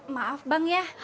maaf bang ya